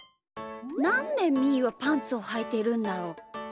なんでみーはパンツをはいてるんだろう。